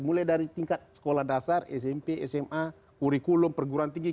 mulai dari tingkat sekolah dasar smp sma kurikulum perguruan tinggi